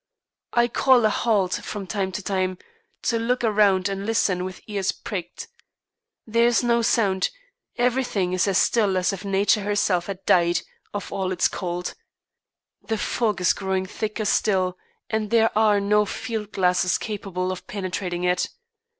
I call a halt from time to time to look around and listen with ears pricked. There is no sound; everything is as still as if Nature herself had died of all this cold. The fog is growing thicker still, and there are no field glasses capable of penetrating it.